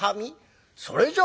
『それじゃ